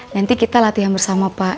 nanti kita latihan bersama pak